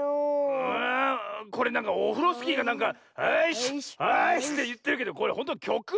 ああこれなんかオフロスキーがなんか「あいしっあいしっ」っていってるけどこれほんときょく？